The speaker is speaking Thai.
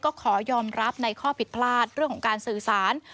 ก็ขอยอมรับในข้อผิดพลาดเรื่องของการสื่อสาร